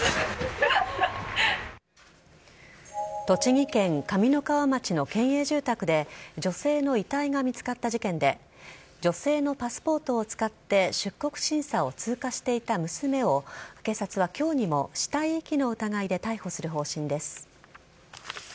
栃木県上三川町の県営住宅で女性の遺体が見つかった事件で女性のパスポートを使って出国審査を通過していた娘を警察は今日にも死体遺棄の疑いで逮捕する方針です。